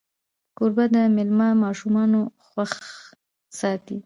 کوربه د میلمه ماشومان خوښ ساتي.